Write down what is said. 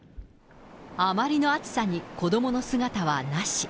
あまりの暑さに、子どもの姿はなし。